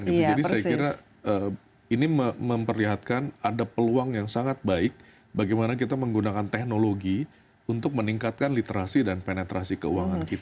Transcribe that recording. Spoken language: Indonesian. jadi saya kira ini memperlihatkan ada peluang yang sangat baik bagaimana kita menggunakan teknologi untuk meningkatkan literasi dan penetrasi keuangan kita